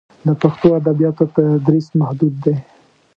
د پښتو ادبیاتو تدریس محدود دی.